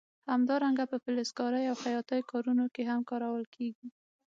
همدارنګه په فلزکارۍ او خیاطۍ کارونو کې هم کارول کېږي.